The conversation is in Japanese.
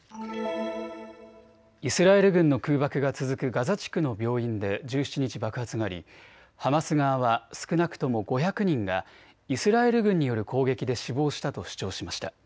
イスラエル軍の空爆が続くガザ地区の病院で１７日、爆発がありハマス側は少なくとも５００人がイスラエル軍による攻撃で死亡したと主張しました。